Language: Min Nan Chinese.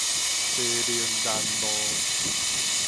西寧南路